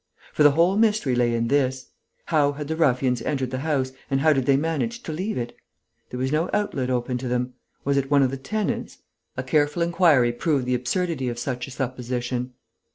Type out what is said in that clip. For the whole mystery lay in this: how had the ruffians entered the house and how did they manage to leave it? There was no outlet open to them. Was it one of the tenants? A careful inquiry proved the absurdity of such a supposition.